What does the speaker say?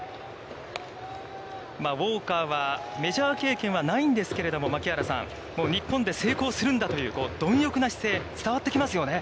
ウォーカーはメジャー経験はないんですけれども、槙原さん、日本で成功するんだという貪欲な姿勢が伝わってきますよね。